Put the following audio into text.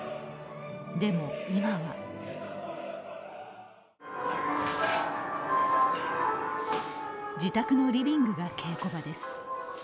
でも、今は自宅のリビングが稽古場です。